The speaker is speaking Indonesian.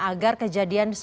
agar kejadian yang terjadi